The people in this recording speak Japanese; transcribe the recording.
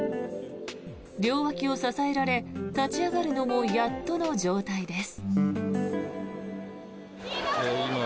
両脇を支えられ立ち上がるのもやっとの状態です。